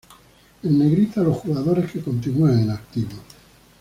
En negrita los jugadores que continúan en activo.